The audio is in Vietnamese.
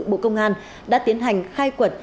bộ công an đã tiến hành khai quật